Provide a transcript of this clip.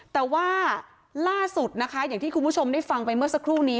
แต่ว่าล่าสุดนะคะอย่างที่คุณผู้ชมได้ฟังไปเมื่อสักครู่นี้